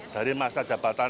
dari masa jabatan